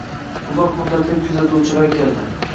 Uzoq muddatli kuzatuvchilar keldi.